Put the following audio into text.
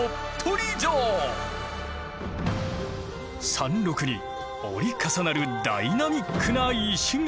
山麓に折り重なるダイナミックな石垣。